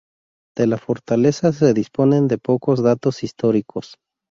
De la fortaleza se disponen de pocos datos históricos.